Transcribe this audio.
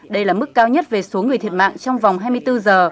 đây là mức cao nhất về số người thiệt mạng trong vòng hai mươi bốn giờ